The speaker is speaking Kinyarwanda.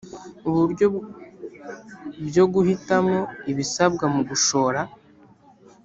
uburyo byo guhitamo ibisabwa mu gushora